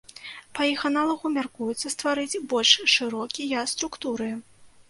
Па іх аналагу мяркуецца стварыць больш шырокія структуры.